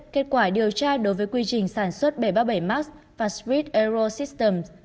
kết quả điều tra đối với quy trình sản xuất bảy trăm ba mươi bảy max và spirit aerosystems